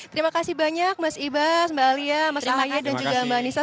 terima kasih banyak mas iba mbak alia mas hayah dan juga mbak nisa